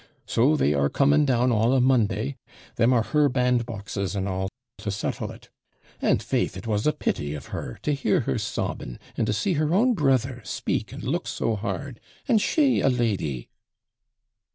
So they are coming down all o' Monday them are her bandboxes and all to settle it; and faith it was a pity of her! to hear her sobbing, and to see her own brother speak and look so hard! and she a lady.'